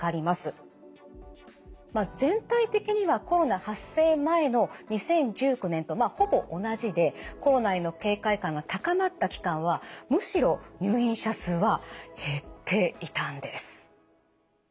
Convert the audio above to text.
まあ全体的にはコロナ発生前の２０１９年とほぼ同じでコロナへの警戒感が高まった期間はむしろ入院者数は減っていたんです。